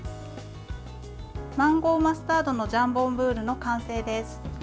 マンゴーマスタードのジャンボンブールの完成です。